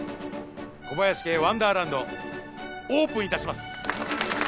小林家ワンダーランドオープンいたします。